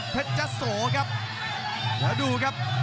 เพชรเจ้าโสครับแล้วดูครับ